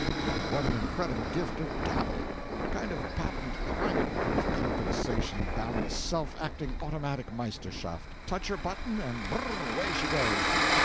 and what an incredible gift of gabble! kind of patent climate proof compensation balance self acting automatic Meisterschaft touch her button, and br r r! away she goes!